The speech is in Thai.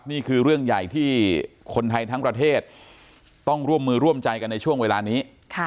นี่คือเรื่องใหญ่ที่คนไทยทั้งประเทศต้องร่วมมือร่วมใจกันในช่วงเวลานี้